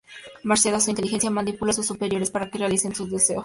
Merced a su inteligencia, manipula a sus superiores para que realicen sus deseos.